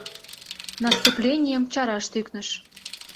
Наступленийым чараш тӱкныш.